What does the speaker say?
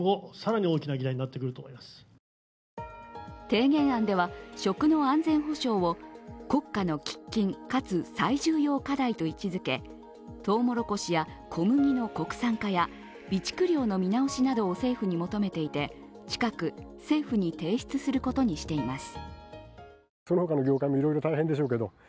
提言案では食の安全保障を国家の喫緊かつ最重要課題と位置づけとうもろこしや、小麦の国産化や備蓄量の見直しなどを政府に求めていて近く、政府に提出することにしています。